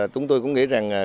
chúng tôi cũng nghĩ rằng